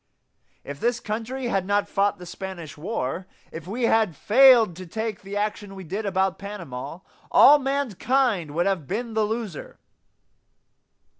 If this country had not fought the Spanish War; if we had failed to take the action we did about Panama; all mankind would have been the loser.